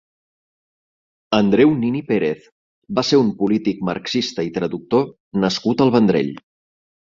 Andreu Nin i Pérez va ser un polític marxista i traductor nascut al Vendrell.